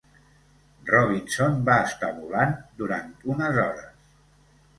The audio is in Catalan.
Robinson va estar volant durant unes hores.